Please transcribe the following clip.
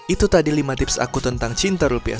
itu tadi lima tips aku tentang cinta rupiah